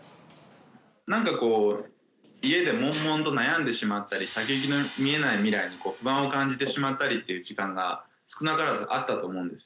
なんかこう、家でもんもんと悩んでしまったり、先行きの見えない未来に不安を感じてしまったりっていう時間が、少なからずあったと思うんです。